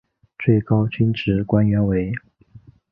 最高军职官员为。